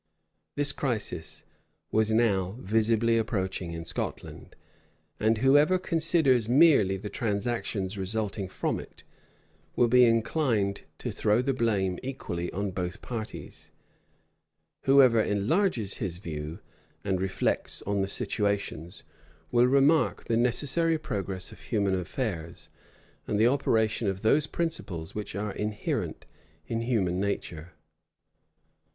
This crisis was now visibly approaching in Scotland; and whoever considers merely the transactions resulting from it, will be inclined to throw the blame equally on both parties; whoever enlarges his view, and reflects on the situations, will remark the necessary progress of human affairs, and the operation of those principles which are inherent in human nature.